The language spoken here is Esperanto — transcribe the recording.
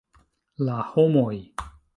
La homoj!..